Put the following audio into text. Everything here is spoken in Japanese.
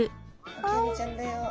オキアミちゃんだよ？